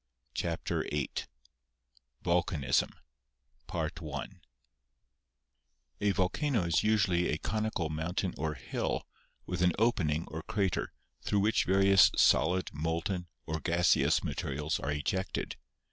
CHAPTER VIII VULCANISM A volcano is usually a conical mountain or hill, with an opening, or crater, through which various solid, molten, or gaseous materials are ejected.